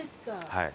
はい。